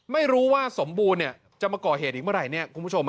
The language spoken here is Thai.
ไม่รู้ว่าสมบูรณ์จะมาก่อเหตุอีกเมื่อไหร่เนี่ยคุณผู้ชม